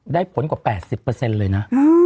ได้ผลกว่า๘๐เปอร์เซนติดเลยนะ